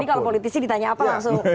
jadi kalau politisi ditanya apa langsung